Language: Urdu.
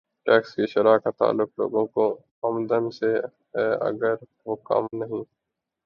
ٹیکس کی شرح کا تعلق لوگوں کی آمدن سے ہے اگر وہ کم ہے۔